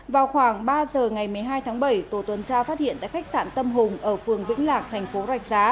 vào khoảng ba giờ ngày một mươi hai tháng bảy tổ tuần tra phát hiện tại khách sạn tâm hùng ở phường vĩnh lạc thành phố rạch giá